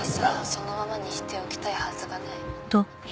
「そのままにしておきたいはずがない」